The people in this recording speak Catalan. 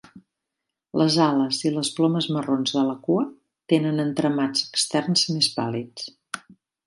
Les ales i les plomes marrons de la cua tenen entramats externs més pàl·lids.